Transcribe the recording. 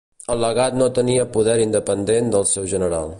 El legat no tenia poder independent del seu general.